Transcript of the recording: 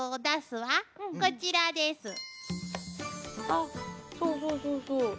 あそうそうそうそう。